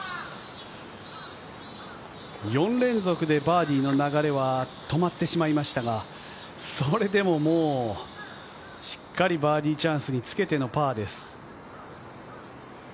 ４連続でバーディーの流れは止まってしまいましたが、それでもしっかりバーディーチャンスにつけてのパーです。